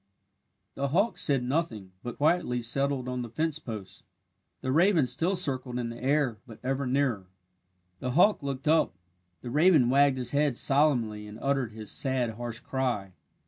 The hawk said nothing, but quietly settled on the fence post. The raven still circled in the air, but ever nearer. The hawk looked up. The raven wagged his head solemnly and uttered his sad, harsh cry.